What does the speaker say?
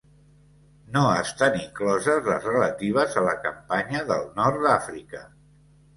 No estan incloses les relatives a la campanya del Nord d'Àfrica.